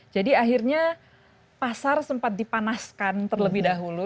jadi akhirnya pasar sempat dipanaskan terlebih dahulu